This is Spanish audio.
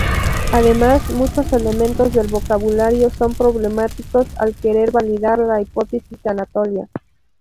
Además, muchos elementos del vocabulario son problemáticos al querer validar la hipótesis anatolia.